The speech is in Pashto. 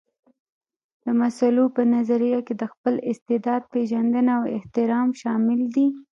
د مسلو په نظريه کې د خپل استعداد پېژندنه او احترام شامل دي.